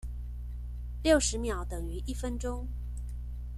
六十秒等於一分鐘